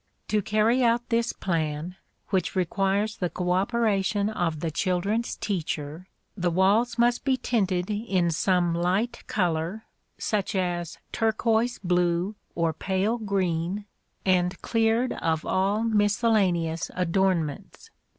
To carry out this plan which requires the coöperation of the children's teacher the walls must be tinted in some light color, such as turquoise blue or pale green, and cleared of all miscellaneous adornments.